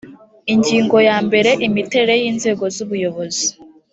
ingingo ya mbere imiterere y’inzego z’ubuyobozi